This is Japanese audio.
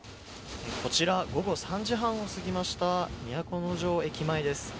こちら午後３時半を過ぎました都城駅前です。